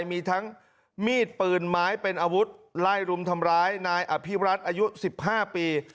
มีทั้งมีดปืนไม้เป็นอาวุธไล่รุมทำร้ายนายอภิรัตน์อายุ๑๕ปี